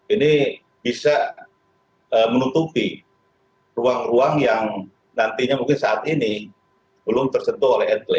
ini bisa menutupi ruang ruang yang nantinya mungkin saat ini belum tersentuh oleh etle